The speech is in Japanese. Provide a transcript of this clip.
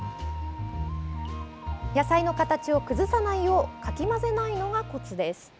野菜の形を崩さないようかき混ぜないのがコツです。